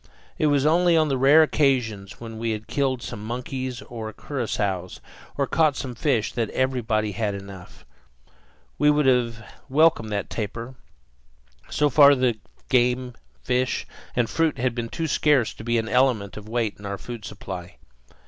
It was only on the rare occasions when we had killed some monkeys or curassows, or caught some fish, that everybody had enough. We would have welcomed that tapir. So far the game, fish, and fruit had been too scarce to be an element of weight in our food supply.